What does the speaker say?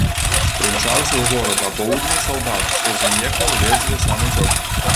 Прымчаўся ў горад апоўдні салдат, што з ім ехаў, ледзьве сам уцёк.